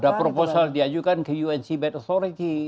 ada proposal diajukan ke unc bad authority